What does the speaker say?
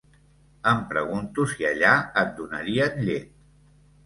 Em pregunto si allà et donarien llet.